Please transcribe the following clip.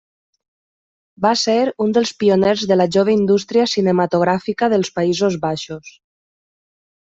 Va ser un dels pioners de la jove indústria cinematogràfica dels Països Baixos.